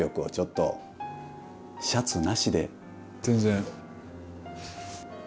全然。